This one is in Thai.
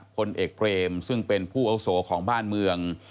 พลเอกเปรมซึ่งเป็นผู้อาวุโสของบ้านเมือง